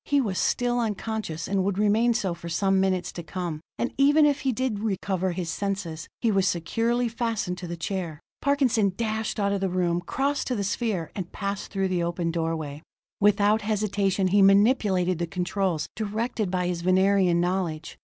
He was still unconscious, and would remain so for some minutes to come. And even if he did recover his senses, he was securely fastened to the chair; Parkinson dashed out of the room, crossed to the sphere, and passed through the open doorway. Without hesitation he manipulated the controls, directed by his Venerian knowledge.